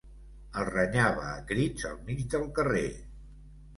El renyava a crits al mig del carrer.